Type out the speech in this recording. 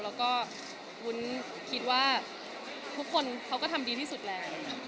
แล้วก็วุ้นคิดว่าทุกคนเขาก็ทำดีที่สุดแล้ว